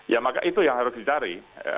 ya maka itu yang harus dicari